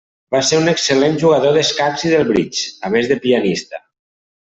Va ser un excel·lent jugador d'escacs i del bridge, a més de pianista.